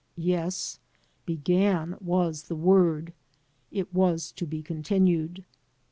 Yes, began was the word. It was to be continued.